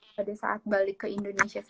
pada saat balik ke indonesia